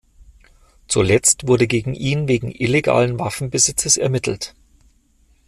Zuletzt wurde gegen ihn wegen illegalen Waffenbesitzes ermittelt.